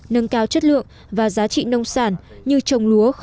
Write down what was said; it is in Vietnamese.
nâng cao chất lượng và giá trị nông sản như trồng lúa